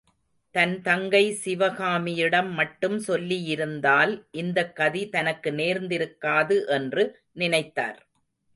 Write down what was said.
தன் தங்கை சிவகாமியிடம் மட்டும் சொல்லியிருந்தால், இந்த கதி தனக்கு நேர்ந்திருக்காது என்று நினைத்தார்.